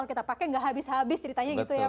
bisa pakai nggak habis habis ceritanya gitu ya pak